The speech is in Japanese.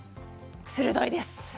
鋭いです！